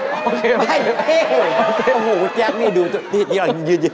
อ๋อเค้ยโอ้โฮแจ๊กนี่ดูนี่ยึด